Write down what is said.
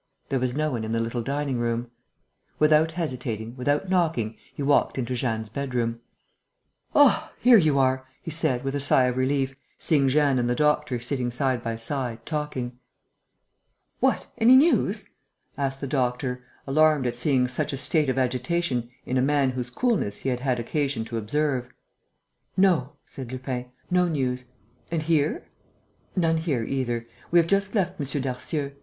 There was no one in the little dining room. Without hesitating, without knocking, he walked into Jeanne's bedroom: "Ah, here you are!" he said, with a sigh of relief, seeing Jeanne and the doctor sitting side by side, talking. "What? Any news?" asked the doctor, alarmed at seeing such a state of agitation in a man whose coolness he had had occasion to observe. "No," said Lupin. "No news. And here?" "None here, either. We have just left M. Darcieux.